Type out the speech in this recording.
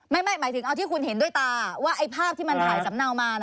หมายถึงเอาที่คุณเห็นด้วยตาว่าไอ้ภาพที่มันถ่ายสำเนามา